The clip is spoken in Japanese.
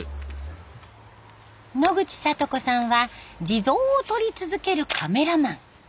野口さとこさんは地蔵を撮り続けるカメラマン。